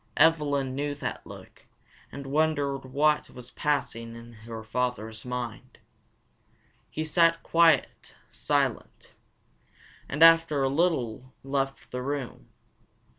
Evelyn knew that look, and wondered what was passing in her father's mind. He sat quite silent, and after a little left the room.